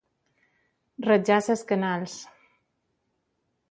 Rajar les canals.